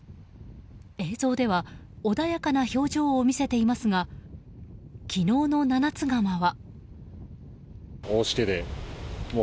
映像では穏やかな表情を見せていますが昨日の七ツ釜は。